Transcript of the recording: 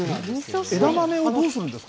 枝豆をどうするんですか？